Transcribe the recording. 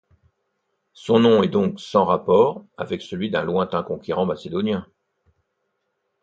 Son nom est donc sans rapport avec celui d'un lointain conquérant macédonien.